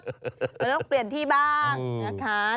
มันต้องเปลี่ยนที่บ้าง